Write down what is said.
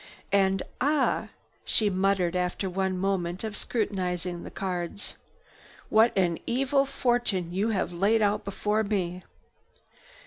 And "Ah!" she muttered after one moment of scrutinizing the cards. "What an evil fortune you have laid out before me!"